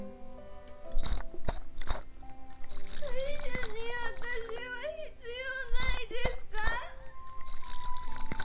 会社に私は必要ないですか？